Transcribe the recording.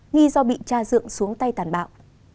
nghi do bị cha dưỡng xuống tay tàn bạo